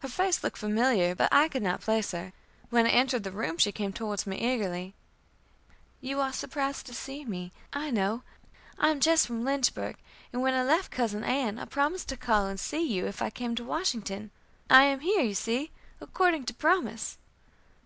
Her face looked familiar, but I could not place her. When I entered the room, she came towards me eagerly: "You are surprised to see me, I know. I am just from Lynchburg, and when I left cousin Ann[e] I promised to call and see you if I came to Washington. I am here, you see, according to promise."